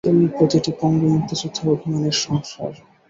তুমি প্রতিটি পঙ্গু মুক্তিযোদ্ধার অভিমানের সংসার।